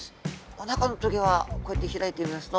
おなかの棘はこうやって開いてみますと。